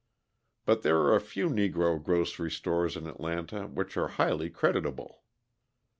But there are a few Negro grocery stores in Atlanta which are highly creditable.